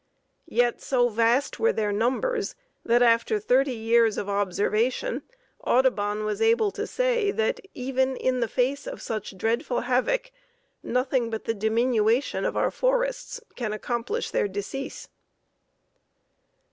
Yet so vast were their numbers that after thirty years of observation Audubon was able to say that "even in the face of such dreadful havoc nothing but the diminution of our forests can accomplish their decrease."